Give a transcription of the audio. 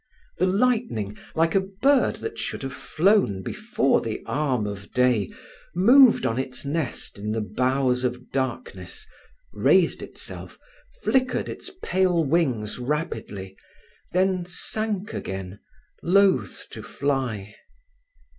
The lightning, like a bird that should have flown before the arm of day, moved on its nest in the boughs of darkness, raised itself, flickered its pale wings rapidly, then sank again, loath to fly.